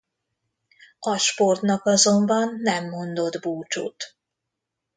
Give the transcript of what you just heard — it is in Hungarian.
A sportnak azonban nem mondott búcsút.